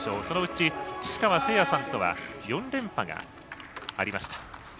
そのうち、岸川聖也さんとは４連覇がありました。